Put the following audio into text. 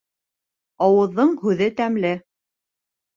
Ауыҙҙың һүҙе тәмле.